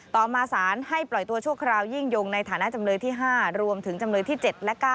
ต่อมาสารให้ปล่อยตัวชั่วคราวยิ่งยงในฐานะจำเลยที่๕รวมถึงจำเลยที่๗และ๙